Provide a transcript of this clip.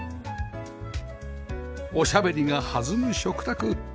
おしゃべりが弾む食卓